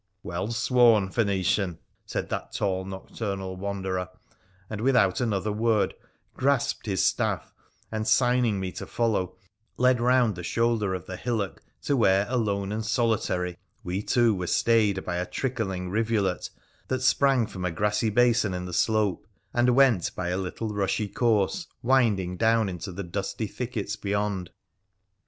' Well sworn, Phoenician !' said that tall nocturnal wan derer, and without another word grasped his staff and, signing to me to follow, led round the shoulder of the hillock to where, alone and solitary, we two were stayed by a trickling rivulet that sprang from a grassy basin in the slope, and went by a little rushy course winding down into the dusky thickets beyond.